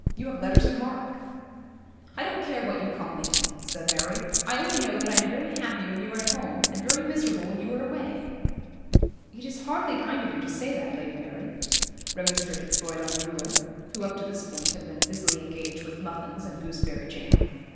You have letters of mark.' 'I don't care what you call me,' said Mary. 'I only know that I am very happy when you are at home, and very miserable when you are away.' 'It is hardly kind of you to say that, Lady Mary,' remonstrated Fräulein Müller, who, up to this point, had been busily engaged with muffins and gooseberry jam.